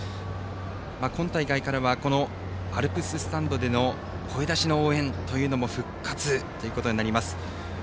今大会からはアルプススタンドでの声出しの応援というのも復活ということになります。